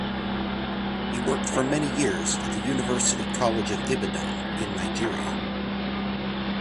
He worked for many years at the University College of Ibadan in Nigeria.